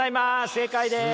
正解です。